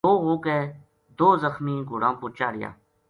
لو ہو کے دو زخمی گھوڑاں پو چاہڑیا